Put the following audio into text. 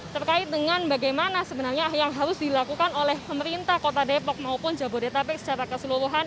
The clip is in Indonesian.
terkait dengan bagaimana sebenarnya yang harus dilakukan oleh pemerintah kota depok maupun jabodetabek secara keseluruhan